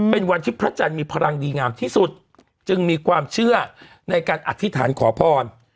เป็นวันที่พระจันทร์มีพลังดีงามที่สุดจึงมีความเชื่อในการอธิษฐานขอพร